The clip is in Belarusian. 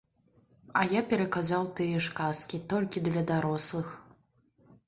А я пераказаў тыя ж казкі, толькі для дарослых.